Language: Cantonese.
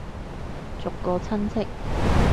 逐個親戚